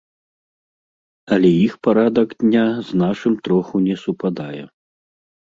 Але іх парадак дня з нашым троху не супадае.